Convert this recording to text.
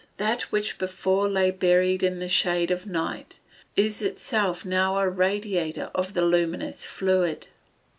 That which before lay buried in the shade of night is itself now a radiator of the luminous fluid.